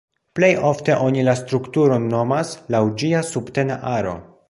Plej ofte oni la strukturon nomas laŭ ĝia subtena aro.